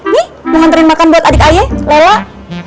nih mau nganterin makan buat adik ayah lola